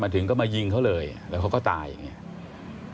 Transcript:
ถึงก็มายิงเขาเลยแล้วเขาก็ตายอย่างนี้